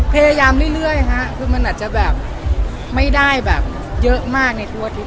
พยายามเรื่อยฮะคือมันอาจจะแบบไม่ได้แบบเยอะมากในทุกอาทิตย